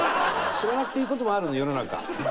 知らなくていい事もあるの世の中。